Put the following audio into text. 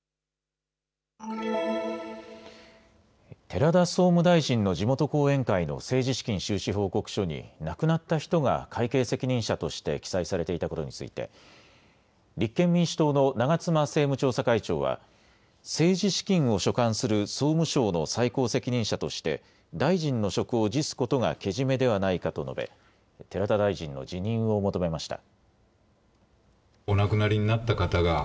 寺田総務大臣の地元後援会の政治資金収支報告書に亡くなった人が会計責任者として記載されていたことについて立憲民主党の長妻政務調査会長は政治資金を所管する総務省の最高責任者として大臣の職を辞すことがけじめではないかと述べ寺田大臣の辞任を求めました。